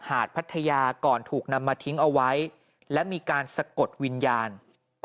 หลังจากพบศพผู้หญิงปริศนาตายตรงนี้ครับ